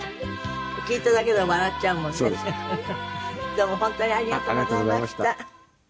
どうも本当にありがとうございました。